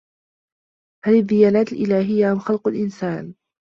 هل الديانات إلاهية أم خلق الإنسان؟